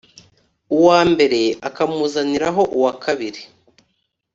uwa mbere akamuzaniraho uwa kabiri